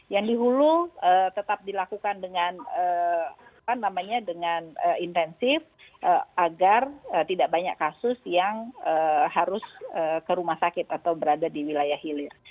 yang di hulu tetap dilakukan dengan intensif agar tidak banyak kasus yang harus kerumunan